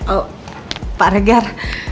oh pak regar